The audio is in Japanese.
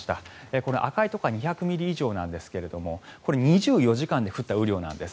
この赤いところは２００ミリ以上なんですがこれ、２４時間で降った雨量なんです。